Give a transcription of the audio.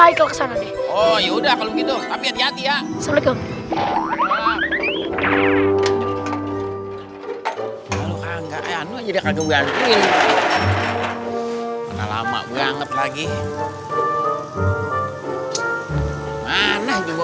ayo kesana deh oh ya udah kalau gitu tapi hati hati ya assalamualaikum